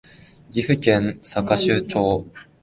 岐阜県坂祝町